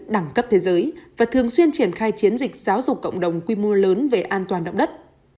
đẳng cấp thế giới và thường xuyên triển khai chiến dịch giáo dục cộng đồng quy mô lớn về an toàn động đất